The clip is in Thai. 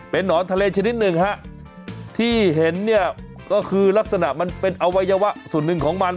นอนทะเลชนิดหนึ่งฮะที่เห็นเนี่ยก็คือลักษณะมันเป็นอวัยวะส่วนหนึ่งของมัน